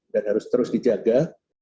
dan harus terus dijaga